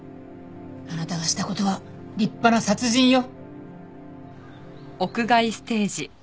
あなたがした事は立派な殺人よ。